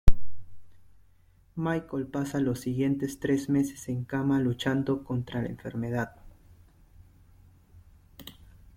Michael pasa los siguientes tres meses en cama luchando contra la enfermedad.